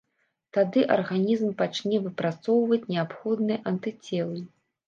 Тады арганізм пачне выпрацоўваць неабходныя антыцелы.